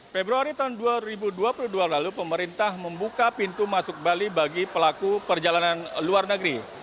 februari tahun dua ribu dua puluh dua lalu pemerintah membuka pintu masuk bali bagi pelaku perjalanan luar negeri